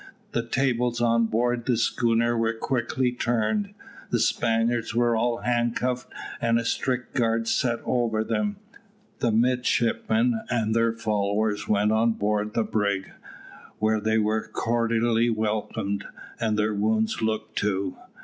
The tables on board the schooner were quickly turned. The Spaniards were all handcuffed, and a strict guard set over them. The midshipmen and their followers went on board the brig, where they were cordially welcomed, and their wounds looked to.